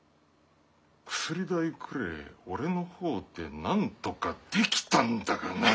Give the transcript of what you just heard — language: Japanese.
薬代くれえ俺の方でなんとかできたんだがなあ。